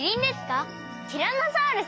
ティラノサウルスですか？